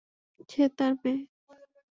সে তার মেয়ে।